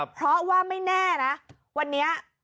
เพราะว่าไม่แน่นะวันนี้